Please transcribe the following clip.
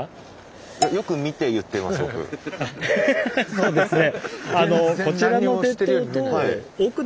そうですね。